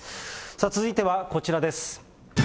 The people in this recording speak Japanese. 続いてはこちらです。